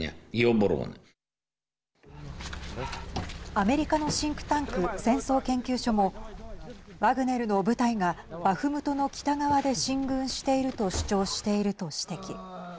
アメリカのシンクタンク戦争研究所もワグネルの部隊がバフムトの北側で進軍していると主張していると指摘。